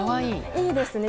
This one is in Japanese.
いいですね。